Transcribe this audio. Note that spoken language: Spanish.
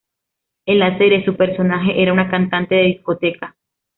En la serie, su personaje era un cantante de discoteca.